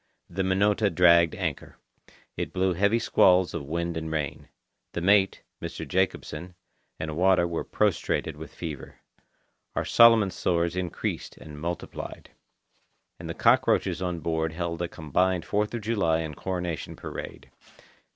The Minota dragged anchor. It blew heavy squalls of wind and rain. The mate, Mr. Jacobsen, and Wada were prostrated with fever. Our Solomon sores increased and multiplied. And the cockroaches on board held a combined Fourth of July and Coronation Parade.